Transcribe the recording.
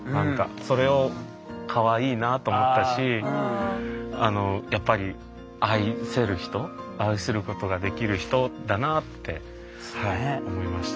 それを「かわいいな」と思ったしやっぱり愛せる人愛することができる人だなってはい思いました。